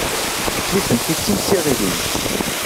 Nitenti d timsiɣilin.